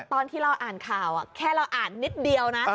ตอนที่เราอ่านข่าวแค่เราอ่านนิดเดียวนะ